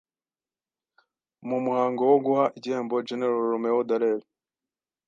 mu muhango wo guha igihembo Gen Romeo Dallaire